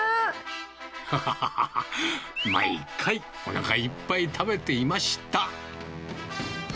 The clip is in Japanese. ははははは、毎回おなかいっぱい食べていました。